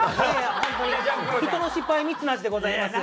人の失敗は蜜の味でございます。